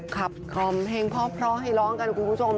คอมเพลงเพราะให้ร้องกันคุณผู้ชม